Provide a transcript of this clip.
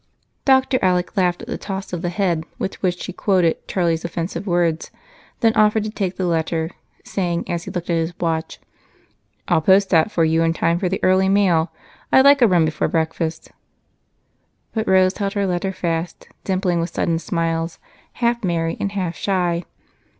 Dr. Alec laughed at the toss of the head with which she quoted Charlie's offensive words, then offered to take the letter, saying, as he looked at his watch: "I'll post that for you in time for the early mail. I like a run before breakfast." But Rose held her letter fast, dimpling with sudden smiles, half merry and half shy.